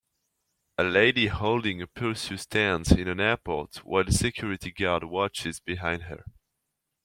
A lady holding a purse stands in an airport while a security guard watches behind her.